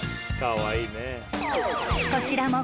［こちらも］